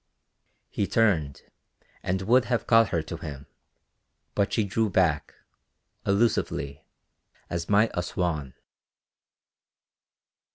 He turned and would have caught her to him, but she drew back, elusively, as might a swan.